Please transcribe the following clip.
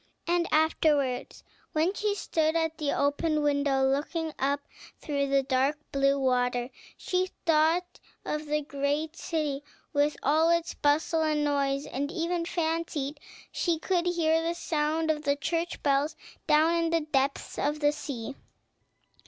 and afterwards, when she stood at the open window looking up through the dark blue water, she thought of the great city, with all its bustle and noise, and even fancied she could hear the sound of the church bells, down in the depths of the sea.